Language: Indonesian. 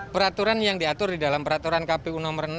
peraturan yang diatur di dalam peraturan kpu nomor enam